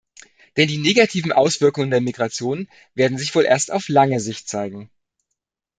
Denn die negativen Auswirkungen der Migration werden sich wohl erst auf lange Sicht zeigen.